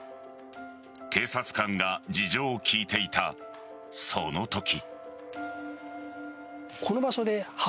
警察官が事情を聴いていたそのとき。